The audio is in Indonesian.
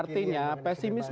artinya artinya pesimisme saya